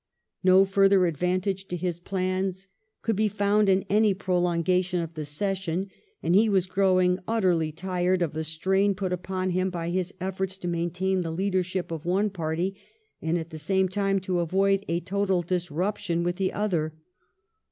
No further advantage to his plans could be found in any prolongation of the Session, and he was growing utterly tired of the strain put upon him by his efforts to maintain the leadership of one party, and at the same time to avoid a total disruption with the other.